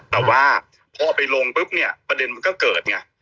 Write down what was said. แต่ว่าพอไปลงปุ๊บเนี่ยประเด็นมันก็เกิดไง